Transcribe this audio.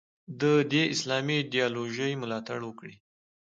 د دې اسلامي ایدیالوژۍ ملاتړ وکړي.